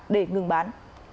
để ngừng bán